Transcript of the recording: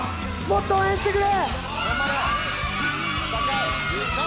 もっと応援してくれ！